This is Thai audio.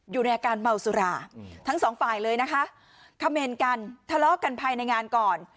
อยู่ในอาการเมาสุราทั้งสองฝ่ายเลยนะคะเขมรกันทะเลาะกันภายในงานก่อน